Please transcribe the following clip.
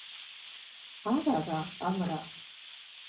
Ар ара, амыра?